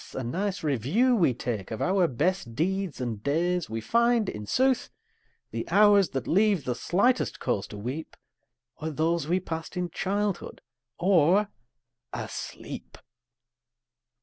a nice review we take Of our best deeds and days, we find, in sooth, The hours that leave the slightest cause to weep Are those we passed in childhood or asleep!